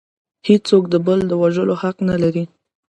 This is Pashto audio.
هیڅوک د بل د وژلو حق نلري